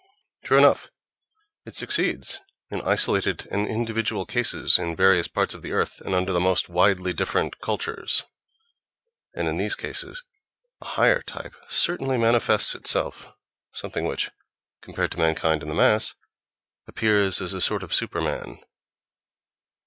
True enough, it succeeds in isolated and individual cases in various parts of the earth and under the most widely different cultures, and in these cases a higher type certainly manifests itself; something which, compared to mankind in the mass, appears as a sort of superman.